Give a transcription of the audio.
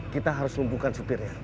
kita harus umpukan supirnya